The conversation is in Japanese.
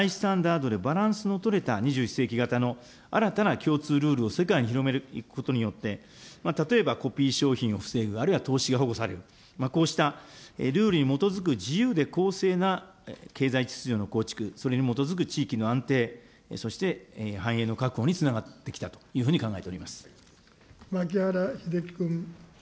バランスの取れた２１世紀型の新たな共通ルールを世界に広めていくことによって、例えばコピー商品を防ぐ、あるいは投資が保護される、こうしたルールに基づく自由で公正な経済秩序の構築、それに基づく地域の安定、そして繁栄の確保につながっ牧原秀樹君。